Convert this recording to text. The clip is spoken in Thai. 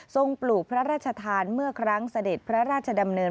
ปลูกพระราชทานเมื่อครั้งเสด็จพระราชดำเนิน